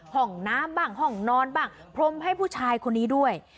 ห้องน้ำบ้างห้องนอนบ้างพรมให้ผู้ชายคนนี้ด้วย